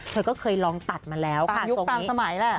เธอก็เคยลองตัดมาแล้วค่ะตรงนี้ตามยุคตามสมัยแหละ